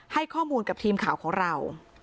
ให้ข้อมูลกับทีมข่าวของเรา